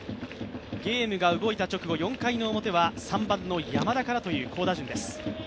ゲームが動いた直後４回の表は、３番の山田からという好打順です。